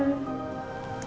aku mau ke rumah ya